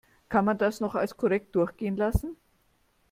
Kann man das noch als korrekt durchgehen lassen?